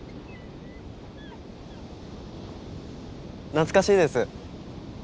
懐かしいです。